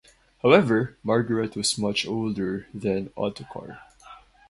However, Margaret was much older than Ottokar.